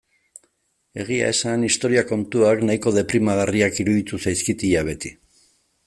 Egia esan historia kontuak nahiko deprimigarriak iruditu zaizkit ia beti.